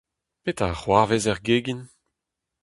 Petra a c'hoarvez er gegin ?